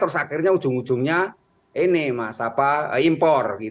terus akhirnya ujung ujungnya ini mas impor